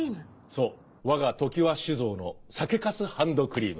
・・そう・わが常葉酒造の酒粕ハンドクリーム。